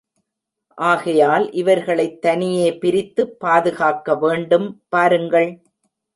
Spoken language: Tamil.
ஆகையால் இவர்களைத் தனியே பிரித்து பாதுகாக்கவேண்டும் பாருங்கள்!